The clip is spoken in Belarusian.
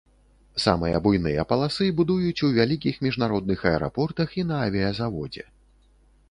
Самыя буйныя паласы будуюць у вялікіх міжнародных аэрапортах і на авіязаводзе.